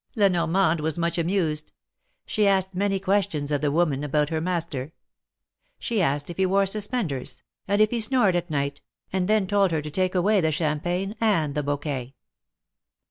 La Normande was much amused. She asked many questions of the woman about her master. She asked if he wore suspenders, and if he snored at night, and then told her to take away the champagne and the bouquet.